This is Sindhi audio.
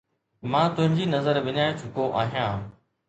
مان تنهنجي نظر وڃائي چڪو آهيان